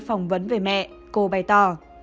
phỏng vấn về mẹ cô bày tỏ